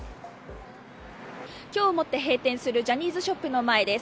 今日をもって閉店するジャニーズショップの前です。